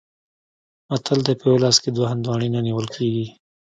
متل دی: په یوه لاس کې دوه هندواڼې نه نیول کېږي.